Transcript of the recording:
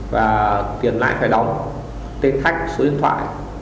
và tiền lại phải đóng tên khách số điện thoại